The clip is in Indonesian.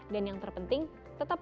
dan yang terpenting tetap